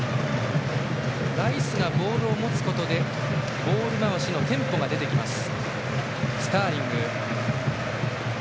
ライスがボールを持つことでボール回しのテンポが出てきます。